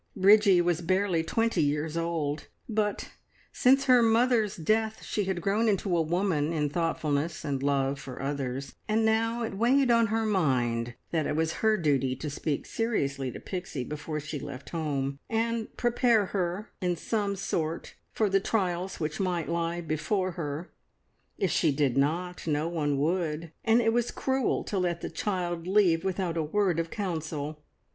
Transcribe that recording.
Bridgie was barely twenty years old, but since her mother's death she had grown into a woman in thoughtfulness and love for others, and now it weighed on her mind that it was her duty to speak seriously to Pixie before she left home, and prepare her in some sort for the trials which might lie before her. If she did not, no one would, and it was cruel to let the child leave without a word of counsel.